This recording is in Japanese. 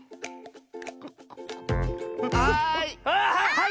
はい！